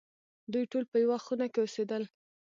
دوی ټول په یوه خونه کې اوسېدل.